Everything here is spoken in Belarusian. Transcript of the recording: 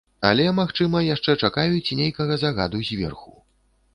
Але, магчыма, яшчэ чакаюць нейкага загаду зверху.